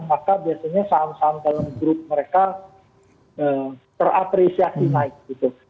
maka biasanya saham saham dalam grup mereka terapresiasi naik gitu